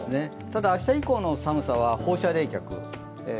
ただ明日以降の寒さは放射冷却。